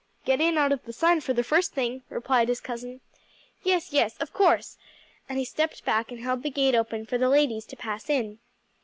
"Get in out of the sun for the first thing," replied his cousin. "Yes, yes, of course!" and he stepped back and held the gate open for the ladies to pass in.